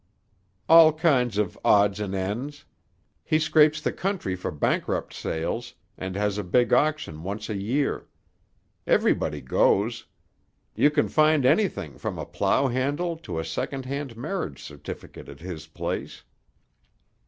"All kinds of odds and ends. He scrapes the country for bankrupt sales, an' has a big auction once a year. Everybody goes. You can find anything from a plough handle to a second hand marriage certificate at his place."